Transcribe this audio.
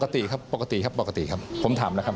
ปกติครับปกติครับปกติครับผมถามแล้วครับ